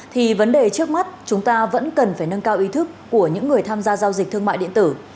thì vấn đề trước mắt chúng ta vẫn cần phải nâng cao ý thức của những người tham gia giao dịch thương mại điện tử